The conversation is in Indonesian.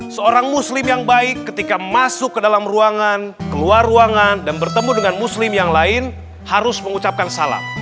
seorang muslim yang baik ketika masuk ke dalam ruangan keluar ruangan dan bertemu dengan muslim yang lain harus mengucapkan salam